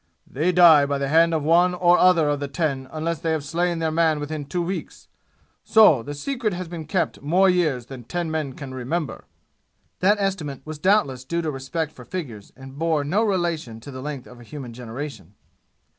They die by the hand of one or other of the ten unless they have slain their man within two weeks. So the secret has been kept more years than ten men can remember!" (That estimate was doubtless due to a respect for figures and bore no relation to the length of a human generation.)